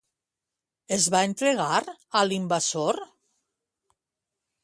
Es va entregar a l'invasor?